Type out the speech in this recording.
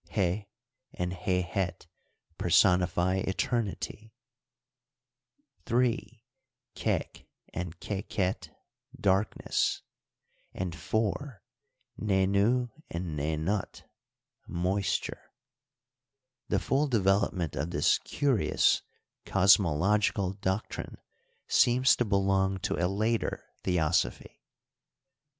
Heh and Hehet personify eternity; 3. Kek and Keket, darkness; and, 4. Nenu and Nenut, moisture. The full develop ment of this curious cosmolog^cal doctrine seems to be long to a later theosophy.